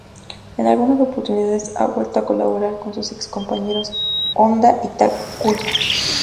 En algunas oportunidades ha vuelto a colaborar con sus ex compañeros Onda y Takuya.